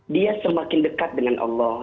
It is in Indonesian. dia semakin dekat dengan allah